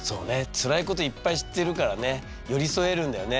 辛いこといっぱい知ってるからね寄り添えるんだよね